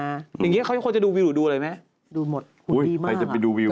อย่างเงี้ยเขาจะดูวิวหรือดูอะไรไหม